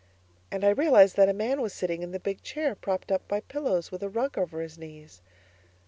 And I realized that a man was sitting in the big chair propped up by pillows with a rug over his knees.